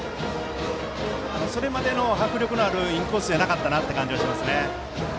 それまでの迫力のあるインコースじゃなかった感じがします。